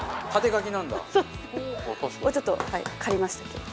ちょっと借りました今日。